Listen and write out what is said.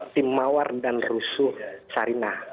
tim mawar dan rusuh